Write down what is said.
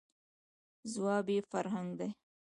، ځواب یې «فرهنګ» دی.